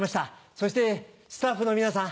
そしてスタッフの皆さん